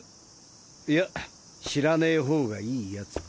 いや知らねぇ方がいい奴だ。